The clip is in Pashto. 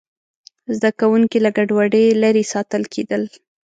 زده کوونکي له ګډوډۍ لرې ساتل کېدل.